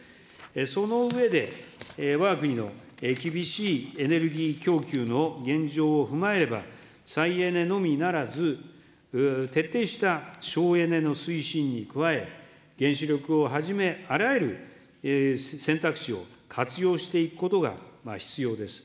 その上で、わが国の厳しいエネルギー供給の現状を踏まえれば、再エネのみならず、徹底した省エネの推進に加え、原子力をはじめ、あらゆる選択肢を活用していくことが必要です。